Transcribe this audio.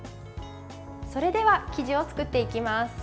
それでは、生地を作っていきます。